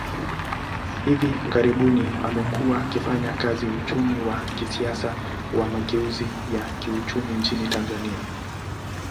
Hivi karibuni, amekuwa akifanya kazi uchumi wa kisiasa wa mageuzi ya kiuchumi nchini Tanzania.